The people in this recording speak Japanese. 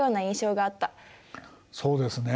そうですね。